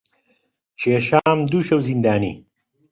کێشام دوو شەو زیندانی